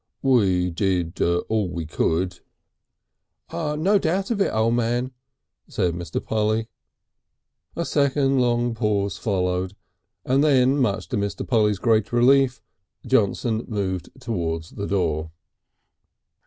"We did all we could." "No doubt of it, O' Man," said Mr. Polly. A second long pause followed, and then, much to Mr. Polly's great relief, Johnson moved towards the door.